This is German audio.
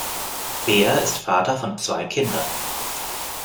Beer ist Vater von zwei Kindern.